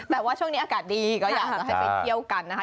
แต่ว่าช่วงนี้อากาศดีก็อยากจะให้ไปเที่ยวกันนะคะ